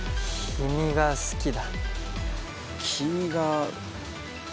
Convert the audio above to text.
君が好きだ。